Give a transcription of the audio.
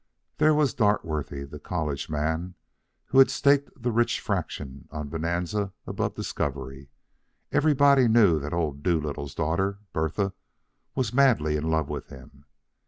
There was Dartworthy, the college man who had staked the rich fraction on Bonanza above Discovery. Everybody knew that old Doolittle's daughter, Bertha, was madly in love with him.